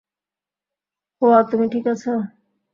হোয়া, তুমি ঠিক আছো?